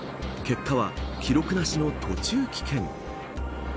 結果は、記録なしの途中棄権。